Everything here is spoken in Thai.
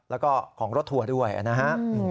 แล้วก็ของรถทัวร์ด้วยนะฮะ